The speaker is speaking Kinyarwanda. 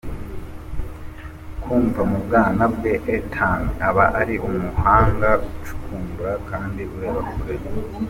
Kuva mu bwana bwe Ethan aba ari umuhanga ucukumbura kandi ureba kure.